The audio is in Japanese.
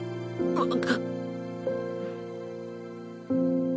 あっ。